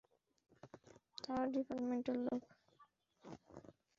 তারা ডিপার্টমেন্টের লোক।